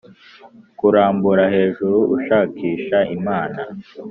kurambura hejuru, ushakisha imana.